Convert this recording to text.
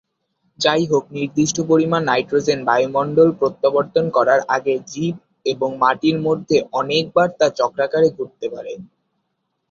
যাইহোক, নির্দিষ্ট পরিমাণ নাইট্রোজেন বায়ুমণ্ডলে প্রত্যাবর্তন করার আগে, জীব এবং মাটির মধ্যে অনেক বার তা চক্রাকারে ঘুরতে পারে।